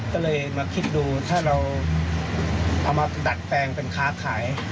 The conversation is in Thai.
ก็เลยมาคิดดูถ้าเราเอามาดัดแปลงเป็นค้าขาย